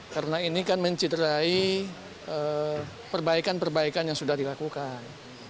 karena ini kan menciderai perbaikan perbaikan yang sudah dilakukan